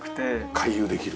回遊できる。